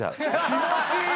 気持ちいい！